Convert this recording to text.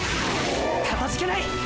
かたじけない！